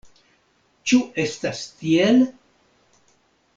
Ĉu estas tiel?